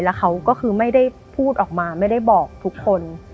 แล้วเขาก็คือไม่ได้พูดออกมาไม่ได้บอกทุกคน